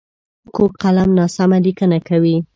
کوږ قلم ناسمه لیکنه کوي